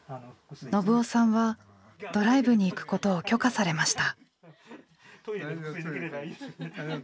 信男さんはドライブに行くことを許可されました。